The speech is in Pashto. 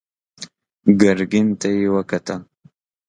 ګرګين ته يې وکتل.